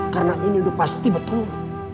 karena ini udah pasti betul